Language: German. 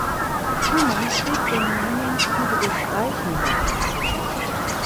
Schumann schrieb den Namen Friedrich Reichenbach zu.